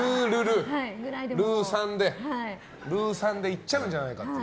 ルー３でいっちゃうんじゃないかと。